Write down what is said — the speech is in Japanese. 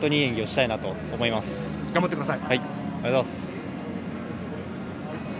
ありがとうございます。